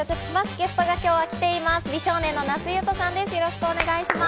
ゲストが今日は来ています。